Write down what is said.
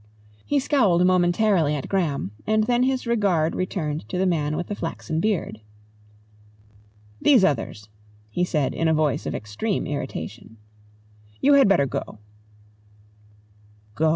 He scowled momentarily at Graham and then his regard returned to the man with the flaxen beard. "These others," he said in a voice of extreme irritation. "You had better go." "Go?"